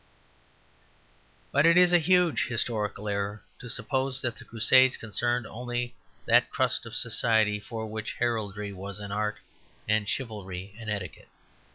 But it is a huge historical error to suppose that the Crusades concerned only that crust of society for which heraldry was an art and chivalry an etiquette.